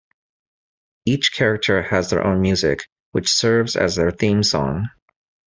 Each character has their own music, which serves as their theme song.